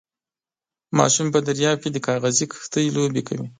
ماشوم په درياب کې د کاغذي کښتۍ لوبې کولې.